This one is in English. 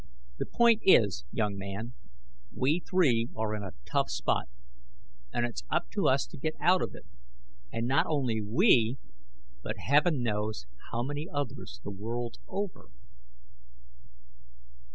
"The point is, young man, we three are in a tough spot, and it's up to us to get out of it. And not only we, but heaven knows how many others the world over!"